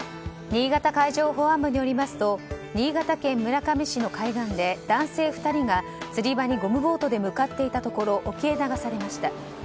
新潟海上保安部によりますと新潟県村上市の海岸で男性２人が釣り場にゴムボートで向かっていたところ沖へ流されました。